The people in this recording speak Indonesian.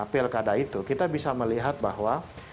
pilkada itu kita bisa melihat bahwa